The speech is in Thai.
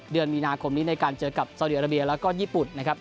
เดือนมีนาคมนี้ในการเจอกับสาวดีอาราเบียแล้วก็ญี่ปุ่นนะครับ